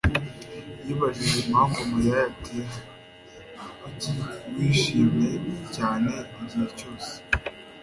yibajije impamvu Mariya yatinze. Kuki wishimye cyane igihe cyose?